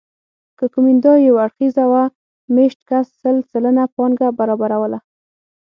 که کومېندا یو اړخیزه وه مېشت کس سل سلنه پانګه برابروله